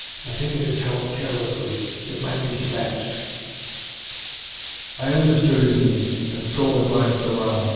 I think it is held carelessly. It might be snatched." I understood his meaning, and stole a glance around.